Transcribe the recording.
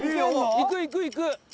いくいくいく。